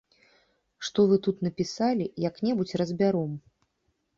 Што вы тут напісалі, як-небудзь разбяром.